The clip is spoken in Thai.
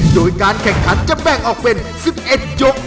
โดยการแข่งขันจะแบ่งออกเป็น๑๑ยก